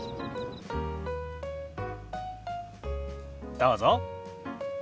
どうぞ。